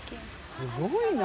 すごいな。